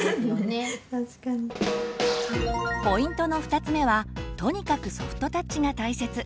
ポイントの２つ目はとにかくソフトタッチが大切。